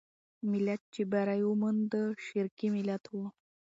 ملت چې بری وموند، شرقي ملت وو.